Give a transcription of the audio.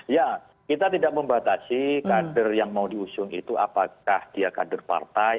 ya kita tidak membatasi kader yang mau diusung itu apakah dia kader partai